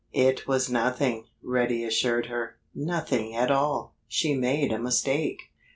"It was nothing—" Reddy assured her—"nothing at all. She made a mistake."